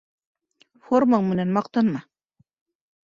Формаң менән маҡтанма